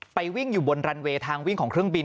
วิ่งอยู่บนรันเวย์ทางวิ่งของเครื่องบิน